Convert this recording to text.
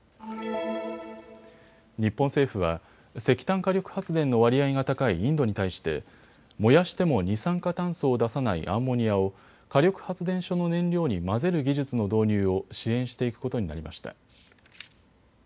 日本政府は石炭火力発電の割合が高いインドに対して燃やしても二酸化炭素を出さないアンモニアを火力発電所の燃料に混ぜる技術の導入を支援していくことになりました。